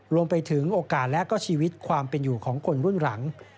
รวมไปถึงโอกาสและก็ชีวิตความเป็นอยู่ของคนรุ่นหลัง